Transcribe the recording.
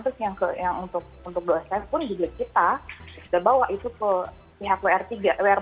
terus yang untuk dosen pun juga kita sudah bawa itu ke pihak wr empat